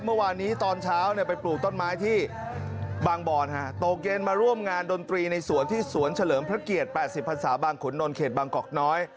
เมื่อวานนี้ตอนเช้าไปปลูกต้นไม้ที่บางบอนโตเย็นมาร่วมงานดนตรีในสวนที่สวนเฉลิมพระเกียรติ๘๐พันศาบางขุนนทเขตบางกอกน้อย